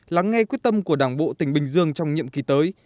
lắng nghe quyết tâm của đảng bộ tỉnh bình dương trong nhiệm kỳ tới